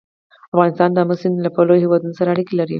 افغانستان د آمو سیند له پلوه له هېوادونو سره اړیکې لري.